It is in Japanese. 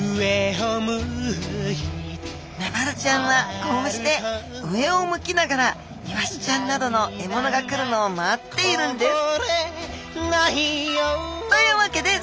メバルちゃんはこうして上を向きながらイワシちゃんなどの獲物が来るのを待っているんです。